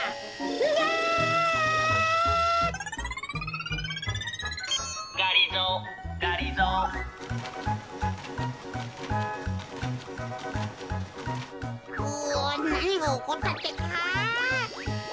うわなにがおこったってか。